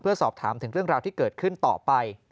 สอบถามถึงเรื่องราวที่เกิดขึ้นต่อไป